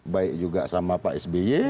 baik juga sama pak sby